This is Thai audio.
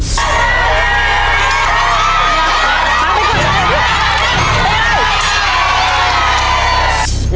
เย้